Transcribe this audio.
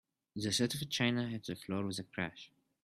The set of china hit the floor with a crash.